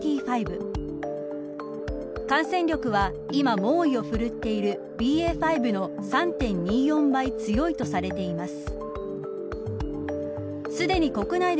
感染力は今、猛威を振るっているＢＡ．５の３．２４倍強いとされています。